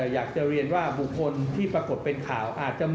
อยากจะเรียนว่าบุคคลที่ปรากฏเป็นข่าวอาจจะ